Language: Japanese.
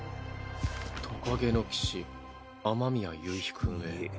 「トカゲの騎士雨宮夕日君へ」。